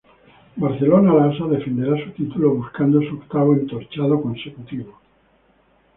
Barcelona Lassa defenderá su título, buscando su octavo entorchado consecutivo.